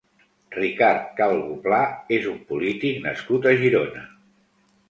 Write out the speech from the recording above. Ricard Calvo Pla és un polític nascut a Girona.